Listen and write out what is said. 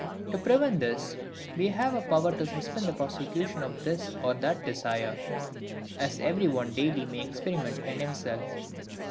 To prevent this, we have a power to suspend the prosecution of this or that desire; as every one daily may experiment in himself.